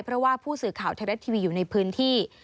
เพราะว่าผู้สื่อข่าวไทยรัฐทีวีอยู่ในพื้นที่